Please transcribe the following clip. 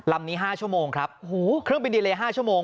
ลำนี้๕ชั่วโมงครับเครื่องบินดีเลย๕ชั่วโมง